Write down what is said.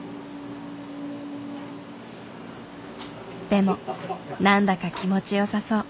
でも何だか気持ちよさそう。